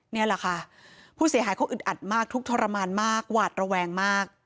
นี่แหละค่ะผู้เสียหายเขาอึดอัดมากทุกขรมานมากหวาดระแวงมาก